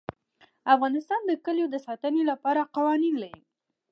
افغانستان د کلیو د ساتنې لپاره قوانین لري.